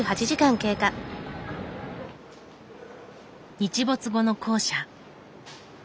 日没後の校舎。